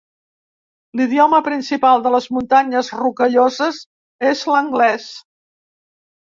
L'idioma principal de les Muntanyes Rocalloses és l'anglès.